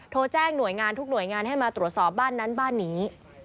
โทรแจ้งหน่วยงานทุกหน่วยงานให้มาตรวจสอบบ้านนั้นบ้านนี้